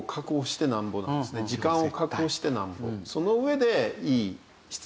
時間を確保してなんぼ。